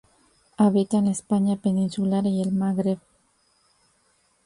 Habita en la España peninsular y el Magreb.